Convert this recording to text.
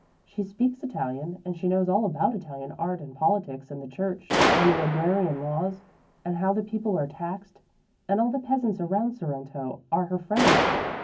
She speaks Italian, and she knows all about Italian art and politics and the church and the agrarian laws and how the people are taxed; and all the peasants around Sorrento are her friends.